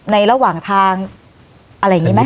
ระหว่างทางอะไรอย่างนี้ไหม